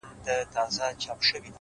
د دې سړي د هر يو رگ څخه جانان وځي!!